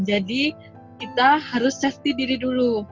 jadi kita harus safety diri dulu